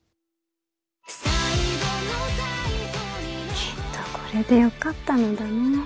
きっとこれでよかったのだの。